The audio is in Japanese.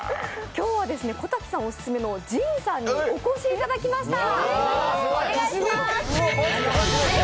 今日は小瀧さんオススメのＪＩＮさんにお越しいただきました。